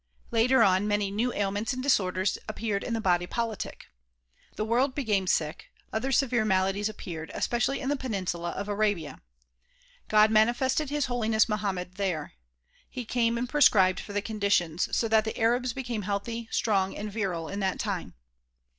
Later on many new ailments and disorders appeared in the body politic. The world became sick, other severe maladies appeared, especially in the peninsula of Arabia. God manifested His Holiness JMoham med there. He came and prescribed for the conditions so that the Arabs became healthy, strong and virile in that time.